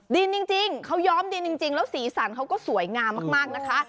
ดินจริงเขาย้อมดินจริงแล้วสีสันเขาก็สวยงามมากนะคะ